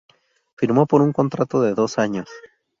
Firmó por un contrato de dos años.